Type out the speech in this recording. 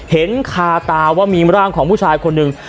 เห็นคาตาว่ามีร่างของผู้ชายคนหนึ่ง